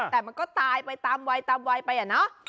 แต่มันก็ตายไปตามวัยไปนะ